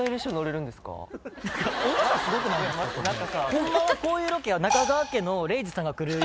ホンマはこういうロケは。